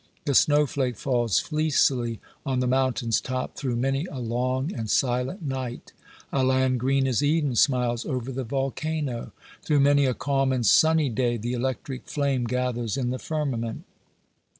The snow flake falls fleecily on the mountain's top through many a long and silent night; a land green as Eden smiles over the volcano; through many a calm and sunny day the electric flame gathers in the firmament!